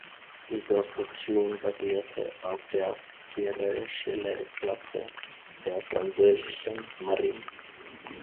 Die Konstruktion basierte auf der "Pierre Chailey-Klasse" der französischen Marine.